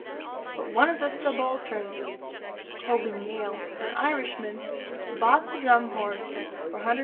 But one of the Subalterns Hogan Yale, an Irishman bought the Drum Horse for Rs.